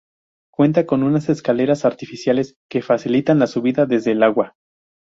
Cuenta con unas escaleras artificiales que facilitan la subida desde el agua.